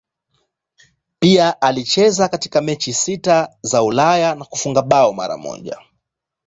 Pia alicheza katika mechi sita za Ulaya na kufunga bao mara moja.